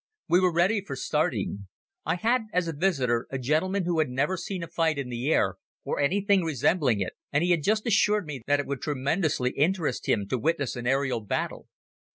We were ready for starting. I had as a visitor a gentleman who had never seen a fight in the air or anything resembling it and he had just assured me that it would tremendously interest him to witness an aerial battle.